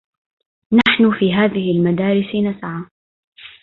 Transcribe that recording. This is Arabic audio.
نحن في هذه المدارس نسعى